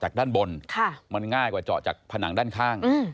ด้านบนมันง่ายกว่าเจาะจากผนังด้านข้าง